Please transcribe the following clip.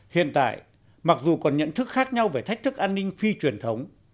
hiện tại mặc dù còn nhận thức khác nhau về thách thức an ninh phi truyền thống